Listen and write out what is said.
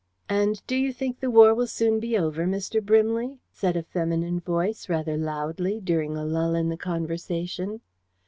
"And do you think the war will soon be over, Mr. Brimley?" said a feminine voice, rather loudly, during a lull in the conversation.